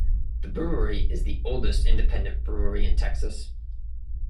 The brewery is the oldest independent brewery in Texas.